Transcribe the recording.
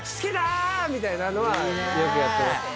みたいなのはよくやってました。